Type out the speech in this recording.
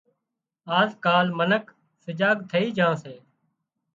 آز ڪال منک سجاگ ٿئي جھان سي